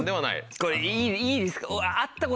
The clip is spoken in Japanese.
これいいですか？